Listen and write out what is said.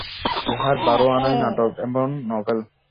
ইহার বারো-আনাই নাটক এবং নভেল।